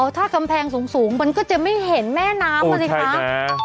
ถ้ากำแพงสูงมันก็จะไม่เห็นแม่น้ำอ่ะสิคะ